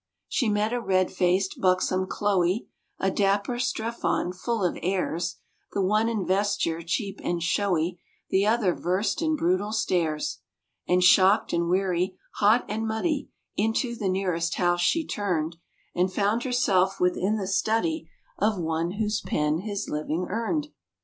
She met a red faced, buxom Chloe, A dapper Strephon, full of airs; The one in vesture cheap and showy, The other versed in brutal stares; And shocked and weary, hot and muddy, Into the nearest house she turned, And found herself within the study Of one whose pen his living earned.